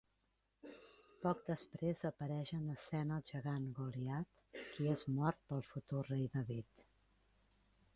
Poc després, apareix en escena el gegant Goliat qui és mort pel futur Rei David.